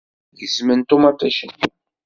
Gezmen ṭumaṭic-nni.